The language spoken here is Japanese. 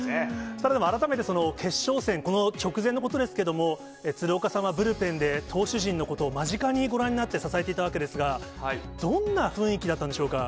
改めて決勝戦、この直前のことですけれども、鶴岡さんはブルペンで、投手陣のことを間近にご覧になって支えていたわけですが、どんな雰囲気だったんでしょうか。